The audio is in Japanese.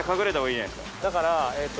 だからえっと。